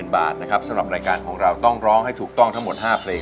บาทนะครับสำหรับรายการของเราต้องร้องให้ถูกต้องทั้งหมด๕เพลง